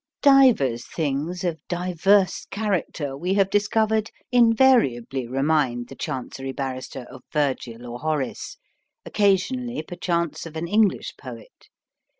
Divers things of diverse character we have discovered invariably remind the Chancery Barrister of Virgil or Horace, occasionally perchance of an English poet.